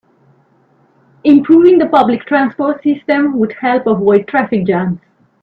Improving the public transport system would help avoid traffic jams.